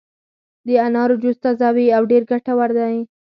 د انارو جوس تازه وي او ډېر ګټور دی.